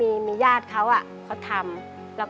อันนี้มีญาติเค้าเขาทำ